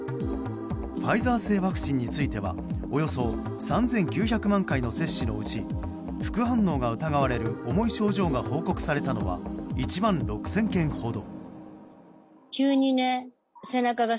ファイザー製ワクチンについてはおよそ３９００万回の接種のうち副反応が疑われる重い症状が報告されたのは１万６０００件ほど。